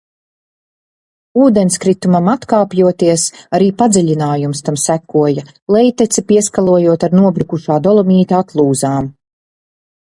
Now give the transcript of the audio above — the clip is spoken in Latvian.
Ūdenskritumam atkāpjoties, arī padziļinājums tam sekoja, lejteci pieskalojot ar nobrukušā dolomīta atlūzām.